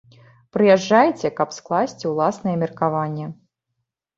Прыязджайце, каб скласці ўласнае меркаванне!